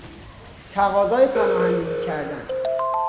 تقاضای پناهندگی کردن